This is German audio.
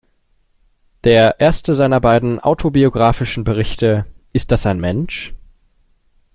Der erste seiner beiden autobiographischen Berichte, "Ist das ein Mensch?